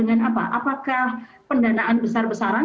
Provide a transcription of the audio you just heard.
apakah pendanaan besar besaran